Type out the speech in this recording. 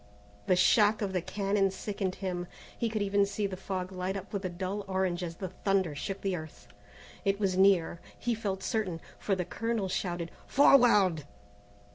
The shock of the cannon sickened him. He could even see the fog light up with a dull orange as the thunder shook the earth. It was near, he felt certain, for the colonel shouted "Forward!"